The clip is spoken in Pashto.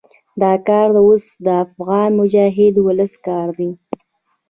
دا کار اوس د افغان مجاهد ولس کار دی.